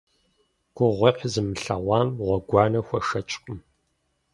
Гугъуехь зымылъэгъуам гъуэгуанэ хуэшэчкъым.